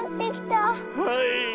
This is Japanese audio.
はい。